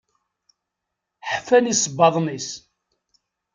Ḥfan isebbaḍen-is.